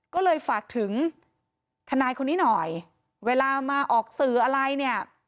ก็เลยฝากถึงทนายคนนี้หน่อยเวลามาออกสื่ออะไรเนี่ย